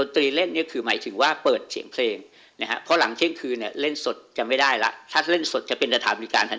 แต่เป็นลักษณะเป็นนะครับ